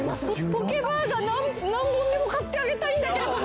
ポケばあが何本でも買ってあげたいんだけれども。